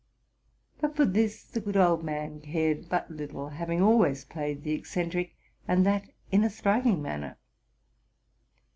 But for this the good 'old man cared but little, having always played the eccentric, and that in a striking manner.